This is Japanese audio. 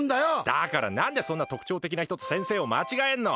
だから何でそんな特徴的な人と先生を間違えんの？